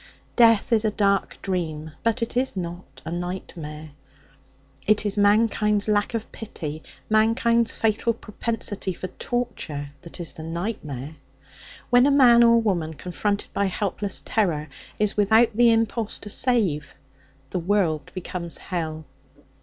Death is a dark dream, but it is not a nightmare. It is mankind's lack of pity, mankind's fatal propensity for torture, that is the nightmare. When a man or woman, confronted by helpless terror, is without the impulse to save, the world becomes hell.